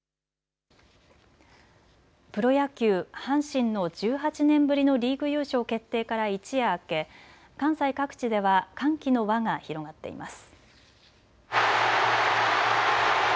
プロ野球、阪神の１８年ぶりのリーグ優勝決定から一夜明け関西各地では歓喜の輪が広がっています。